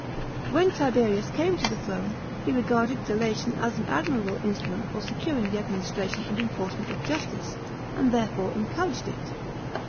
When Tiberius came to the throne, he regarded delation as an admirable instrument for securing the administration and enforcement of justice, and therefore encouraged it.